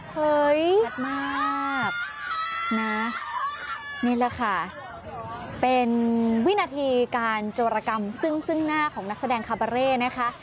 เฮ้ยชัดมากนะนี่แหละค่ะเป็นวินาทีการโจรกรรมซึ่งซึ่งหน้าของนักแสดงคาบาเร่นะคะ